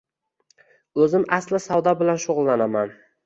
Oʻzim asli savdo bilan shugʻullanaman